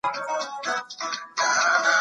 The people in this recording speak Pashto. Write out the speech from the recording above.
د علمي څېړنو اهمیت د ټولو پوهانو لپاره څرګند دی.